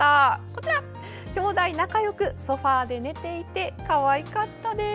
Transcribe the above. こちら、きょうだい仲よくソファーで寝ていてかわいかったです。